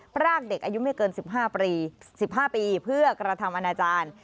ปรากเด็กอายุไม่เกิน๑๕ปีเพื่อกรธรรมอาณาจารย์